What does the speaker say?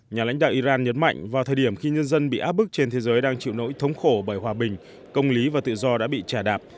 nhà lãnh đạo iran nhấn mạnh vào thời điểm khi nhân dân bị áp bức trên thế giới đang chịu nỗi thống khổ bởi hòa bình công lý và tự do đã bị trả đạp